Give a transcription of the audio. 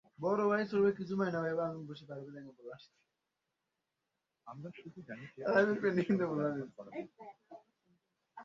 আমরা শুধু জানি যে টিএটিপি বিস্ফোরক ব্যবহার করা হয়েছিল।